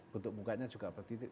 bentuk mukanya juga berbeda